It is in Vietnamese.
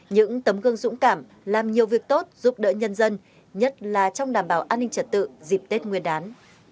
những tấm gương dũng cảm làm nhiều việc tốt giúp đỡ nhân dân nhất là trong đảm bảo an ninh trật tự dịp tết nguyên đán